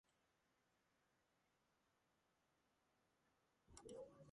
ლუცერნის დაარსების ზუსტი თარიღი უცნობია.